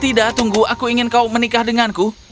tidak tunggu aku ingin kau menikah denganku